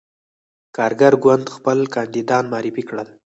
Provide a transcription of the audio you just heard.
کارګر ګوند خپل کاندیدان معرفي کړل.